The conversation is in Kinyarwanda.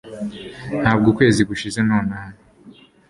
ntabwo ukwezi gushize nonaha